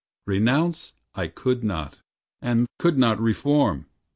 Renounce I could not, and could not reform.